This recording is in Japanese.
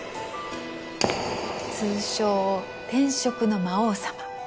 通称転職の魔王様。